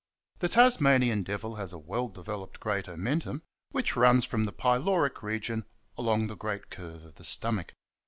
The Tasmanian Devil has a well developed great omentum, which runs from the pyloric region along the great curve of the stomach.